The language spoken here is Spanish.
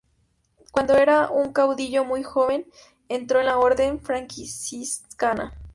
Cuando era un caudillo muy joven, entró en la orden franciscana.